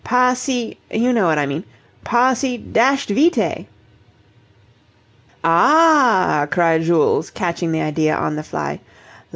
Pas si you know what I mean pas si dashed vite!" "Ah a ah!" cried Jules, catching the idea on the fly.